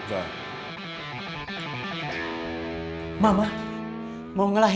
kamu pengen pengen eso deh